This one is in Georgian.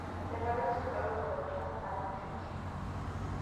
მდებარეობს ისტორიულ-გეოგრაფიულ მხარე თუშეთში.